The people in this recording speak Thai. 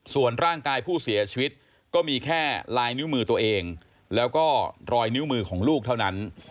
ส่วนร่างกายผู้เสียชีวิตก็มีแค่ลายนิ้วมือตัวเองแล้วก็รอยนิ้วมือของลูกเท่านั้น